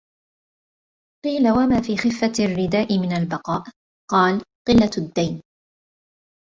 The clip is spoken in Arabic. قِيلَ وَمَا فِي خِفَّةِ الرِّدَاءِ مِنْ الْبَقَاءِ ؟ قَالَ قِلَّةُ الدَّيْنِ